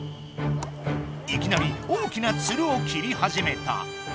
いきなり大きなツルを切りはじめた。